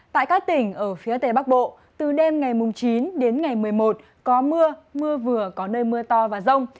tại các tỉnh ở phía tây bắc bộ từ đêm ngày chín đến ngày một mươi một có mưa mưa vừa có nơi mưa to và rông